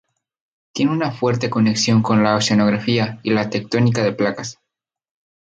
Tiene una fuerte conexión con la oceanografía y la tectónica de placas.